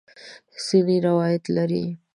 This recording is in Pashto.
سنې روایت لري.